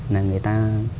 là người ta